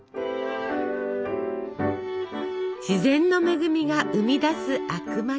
自然の恵みが生み出すあくまき。